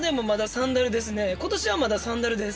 今年はまだサンダルです。